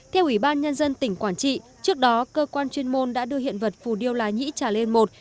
theo ủy ban nhân dân tỉnh quảng trị trước đó cơ quan chuyên môn đã đưa hiện vật phù điêu lái nhĩ trà liên i